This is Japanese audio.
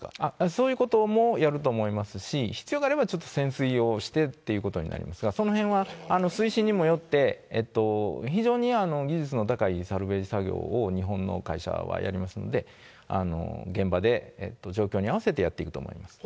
そういうこともやると思いますし、必要があればちょっと潜水をしてっていうことになりますが、そのへんは、水深にもよって、非常に技術の高いサルベージ作業を、日本の会社はやりますんで、現場で状況に合わせてやっていくと思います。